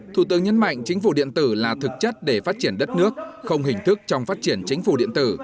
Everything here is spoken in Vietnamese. thủ tướng nhấn mạnh chính phủ điện tử là thực chất để phát triển đất nước không hình thức trong phát triển chính phủ điện tử